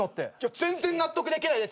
全然納得できないですよ。